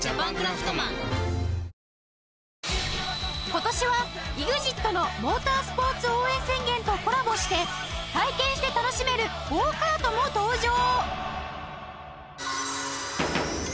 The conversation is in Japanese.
今年は『ＥＸＩＴ のモータースポーツ応援宣言』とコラボして体験して楽しめるゴーカートも登場